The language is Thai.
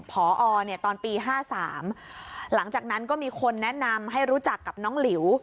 พอตอนปี๕๓หลังจากนั้นก็มีคนแนะนำให้รู้จักกับน้องหลิว